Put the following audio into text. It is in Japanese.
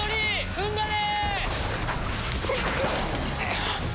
ふんばれ！